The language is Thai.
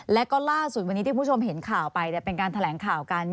แล้วก็ล่าสุดวันนี้ที่คุณผู้ชมเห็นข่าวไปเป็นการแถลงข่าวกัน